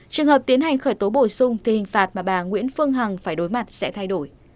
trường hợp tiến hành khởi tố bổ sung thì hình phạt mà bà nguyễn phương hằng phải đối mặt sẽ thay đổi